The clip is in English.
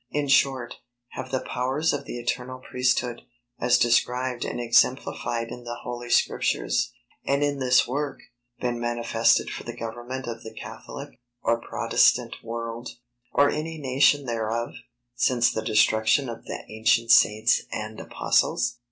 In short, have the powers of the eternal Priesthood, as described and exemplified in the Holy Scriptures, and in this work, been manifested for the government of the Catholic, or Protestant world, or any nation thereof, since the destruction of the ancient Saints and Apostles?